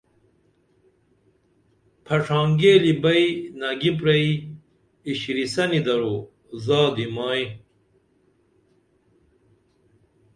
پھݜانگیلی بئی نگی پرئی ایشرین یسنی درو زادی مائی